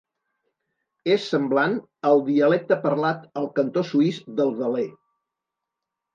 És semblant al dialecte parlat al cantó suís del Valais.